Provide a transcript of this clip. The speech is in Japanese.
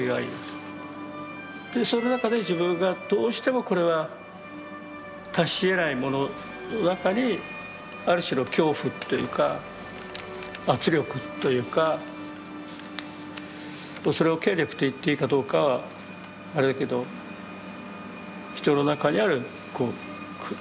その中で自分がどうしてもこれは達しえないものの中にある種の恐怖というか圧力というかそれを権力と言っていいかどうかはあれだけど人の中にある苦しみ。